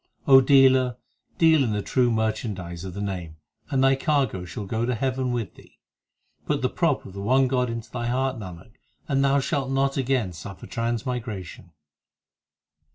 O dealer, deal in the true merchandise of the Name, And thy cargo shall go to heaven with thee. Put the prop of the one God into thy heart, Nanak, and thou shalt not again surfer transmigration.